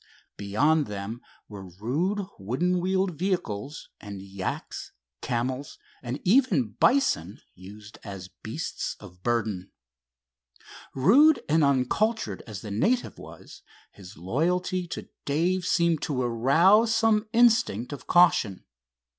Beyond them were rude wooden wheeled vehicles, and yaks, camels, and even bison, used as beasts of burden. Rude and uncultured as the native was, his loyalty to Dave seemed to arouse some instinct of caution.